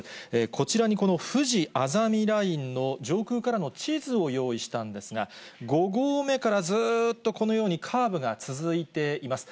こちらにこの、ふじあざみラインの上空からの地図を用意したんですが、５合目からずっとこのようにカーブが続いています。